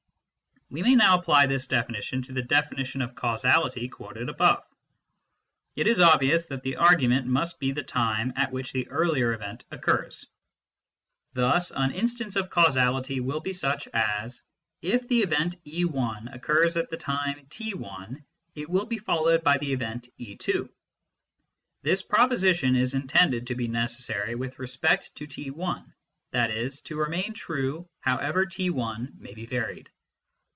We may now apply this definition to the definition of causality quoted above. It is obvious that the argument must be the time at which the earlier event occurs. Thus an instance of causality will be such as : "If the event e l occurs at the time t lt it will be followed by the event e t ." This proposition is intended to be necessary with respect to t lt i.e. to remain true however t l may be varied.